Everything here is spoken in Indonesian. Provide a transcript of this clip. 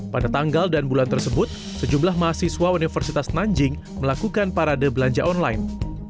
pada tanggal dan bulan tersebut sejumlah mahasiswa universitas nanjing melakukan parade belanja online